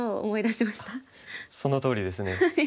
あっそのとおりですね。